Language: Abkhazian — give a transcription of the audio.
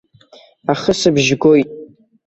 Ахысыбжь гоит.